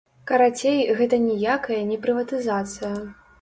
Карацей, гэта ніякая не прыватызацыя.